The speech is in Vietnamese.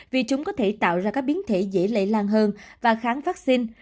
vì chúng có thể tạo ra các biến thể dễ lây lan hơn và kháng vaccine